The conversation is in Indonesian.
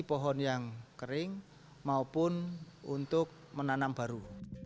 pohon yang kering maupun untuk menanam baru